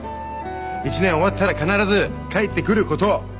１年終わったら必ず帰ってくること。